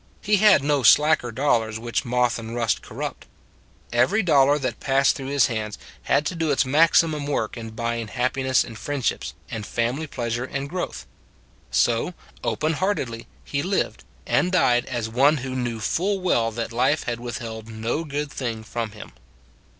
He had no slacker dollars which moth and rust corrupt; every dollar that passed 176 It s a Good Old World through his hands had to do its maximum work in buying happiness and friendships, and family pleasure and growth. So, open heartedly, he lived, and died as one who knew full well that life had withheld no good thing from him.